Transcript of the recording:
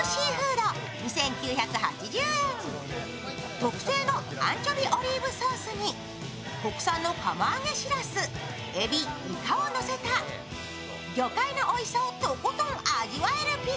特製のアンチョビオリーブソースに国産の釜揚げしらす、えび、イカをのせた魚介のおいしさをとことん味わえるピザ。